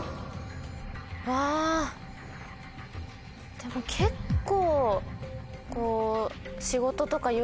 でも結構。